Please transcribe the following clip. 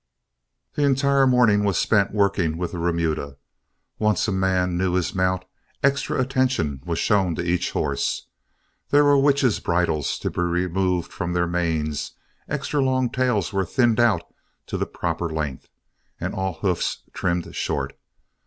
The entire morning was spent working with the remuda. Once a man knew his mount, extra attention was shown each horse. There were witches' bridles to be removed from their manes, extra long tails were thinned out to the proper length, and all hoofs trimmed short.